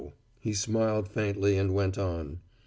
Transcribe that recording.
He smiled faintly, and went on.